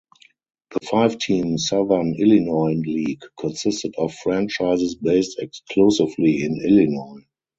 The five–team Southern Illinois League consisted of franchises based exclusively in Illinois.